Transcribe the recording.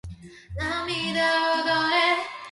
地中を泳ぐダイオウグソクムシ